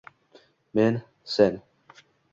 Men — Sen…